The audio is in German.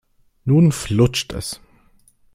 Nun flutscht es.